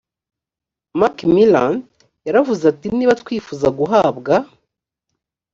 macmillan yaravuze ati niba twifuza guhabwa